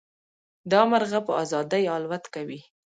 دا مرغه په ازادۍ الوت کوي.